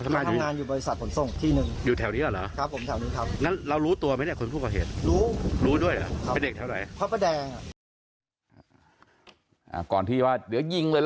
มีเง้อที่มันเป็นมีดเมื่อมีดอีหวด